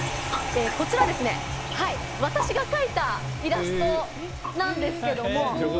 こちら、私が描いたイラストなんですけども。